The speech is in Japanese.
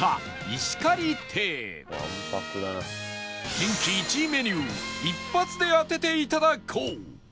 人気１位メニューを一発で当てていただこう